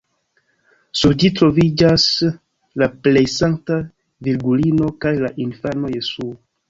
Sur ĝi troviĝas la plej Sankta Virgulino kaj la infano Jesuo.